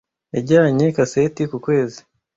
yajyanye kaseti ku kwezi